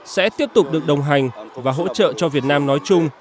sẽ tiếp tục được đồng hành và hỗ trợ cho việt nam nói chung